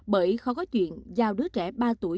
bởi khó có chuyện giao đứa trẻ ba tuổi